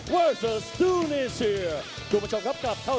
โปรดติดตามต่อไป